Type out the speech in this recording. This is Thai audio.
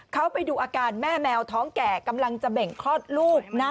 เขาไปดูอาการแม่แมวท้องแก่กำลังจะเบ่งคลอดลูกนะ